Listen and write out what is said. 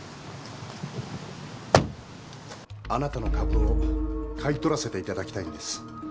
あなたの株を買い取らせていただきたいんです。